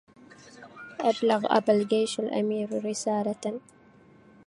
أبلغ أبا الجيش الأمير رسالة